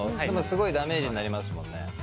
スゴいダメージになりますもんね。